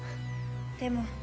でも。